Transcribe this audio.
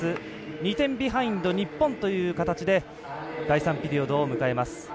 ２点ビハインド日本という形で第３ピリオドを迎えます。